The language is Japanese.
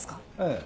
ええ。